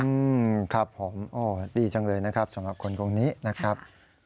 อืมครับผมโอ้ดีจังเลยนะครับสำหรับคนคนนี้นะครับ